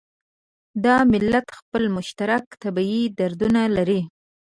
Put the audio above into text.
دا ملت خپل مشترک طبعي دردونه لري.